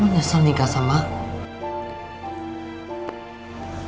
aku nyesel bukan karena apa apa